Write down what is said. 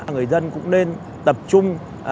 người dân cũng nên tập trung